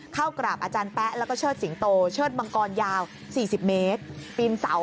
เข้ากราบอาจารย์แป๊ะแล้วก็เชิดสิงโตเชิดมังกรยาว๔๐เมตรปีนเสา